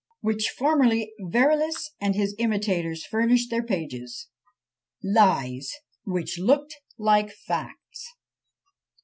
_" with which formerly Varillas and his imitators furnished their pages; lies which looked like facts!